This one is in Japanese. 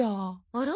あら？